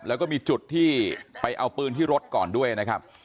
แล้วก็มีจุดที่ไปเอาปืนที่รถก่อนด้วยนะครับ